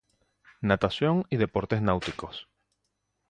Natación y Deportes Náuticos.